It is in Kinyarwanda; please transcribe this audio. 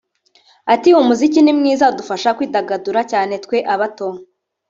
Ati “Umuziki ni mwiza udufasha kwidagadura cyane twe abato